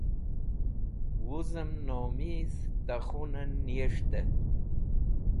wuz'em nomid ta khun'en niyesht'ey